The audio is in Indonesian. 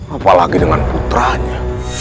apalagi dengan putranya